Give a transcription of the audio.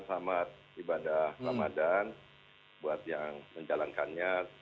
selamat ibadah ramadan buat yang menjalankannya